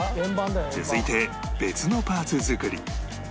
続いて別のパーツ作り